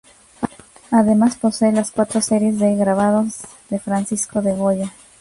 Además posee las cuatro series de grabados de Francisco de Goya.